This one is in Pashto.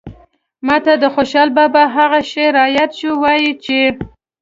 ماته د خوشال بابا هغه شعر راياد شو وايي چې